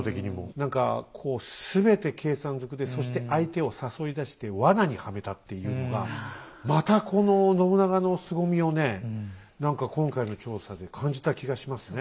何かこう全て計算ずくでそして相手を誘い出してワナにはめたっていうのがまたこの信長のすごみをね何か今回の調査で感じた気がしますね。